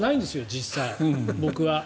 実際、僕は。